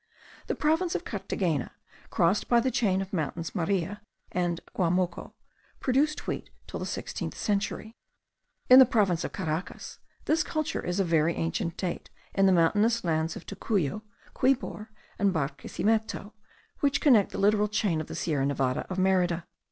The province of Carthagena, crossed by the chain of the mountains Maria and Guamoco, produced wheat till the sixteenth century. In the province of Caracas, this culture is of very ancient date in the mountainous lands of Tocuyo, Quibor, and Barquisimeto, which connect the littoral chain with the Sierra Nevada of Merida.